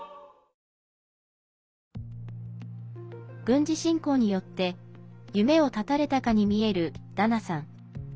軍事侵攻によって夢を絶たれたかに見えるダナさん。